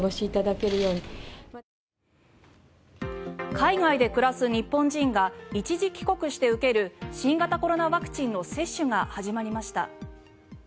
海外で暮らす日本人が一時帰国して受ける新型コロナのワクチンの接種が始まりました。